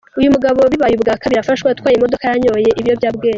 Uyu mugabo bibaye ubwa kabiri afashwe atwaye imodoka yanyoye ibiyobyabwenge.